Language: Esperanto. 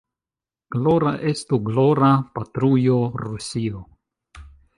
Glora estu, glora, patrujo Rusio!